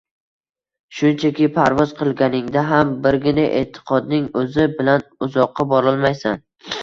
Shunchaki parvoz qilganingda ham birgina e’tiqodning o‘zi bilan uzoqqa borolmaysan…